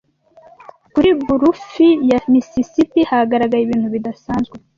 kuri bulufi ya Mississippi hagaragaye ibintu bidasanzwe